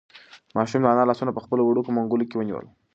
ماشوم د انا لاسونه په خپلو وړوکو منگولو کې ونیول.